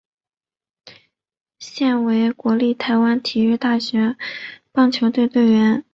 现为国立台湾体育大学棒球队队员。